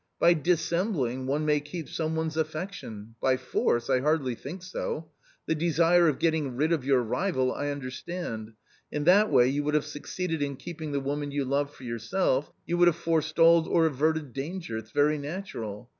By dissembling one may keep some one's affection ; by force— I hardly think so ! The desire of getting rid of your rival I understand; in that way you would have succeeded in keeping the woman you love for yourself, you would have forestalled or averted danger — it's very natural